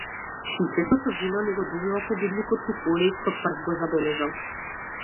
Шишето со вино не го добива победникот, туку оној што прв го забележал.